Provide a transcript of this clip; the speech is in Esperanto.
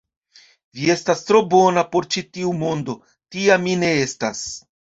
Vi estas tro bona por ĉi tiu mondo; tia mi ne estas.